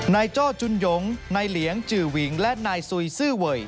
ไนเจ้าจุนยงไนเหลียงจือหวิงและไนสุยซื่อเวยย์